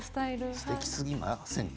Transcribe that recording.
すてきすぎませんか？